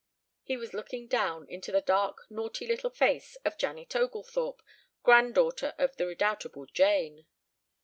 He was looking down into the dark naughty little face of Janet Oglethorpe, granddaughter of the redoubtable Jane.